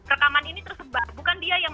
rekaman ini tersebar bukan dia yang